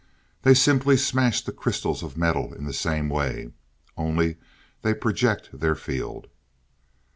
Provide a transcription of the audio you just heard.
They simply smash the crystals of metal in the same way. Only they project their field."